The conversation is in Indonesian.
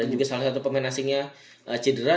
juga salah satu pemain asingnya cedera